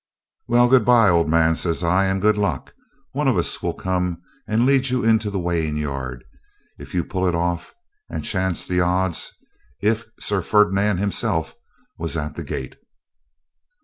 'Well, good bye, old man,' says I, 'and good luck. One of us will come and lead you into the weighing yard, if you pull it off, and chance the odds, if Sir Ferdinand himself was at the gate.'